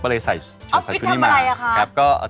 ก็เลยใส่ชกสายชูนิคมาอ๋อออฟฟิศทำอะไรอะครับ